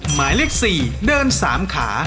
หมายเลข๔เดิน๓ขา